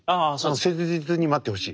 切実に待ってほしい。